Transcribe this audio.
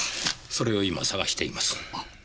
それを今探しています。